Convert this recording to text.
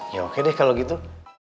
ya oke deh kalau gitu